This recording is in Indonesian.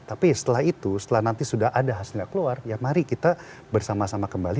tapi setelah itu setelah nanti sudah ada hasilnya keluar ya mari kita bersama sama kembali